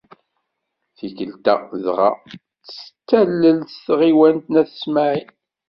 Tikkelt-a dɣa, s tallelt n tɣiwant n At Smaɛel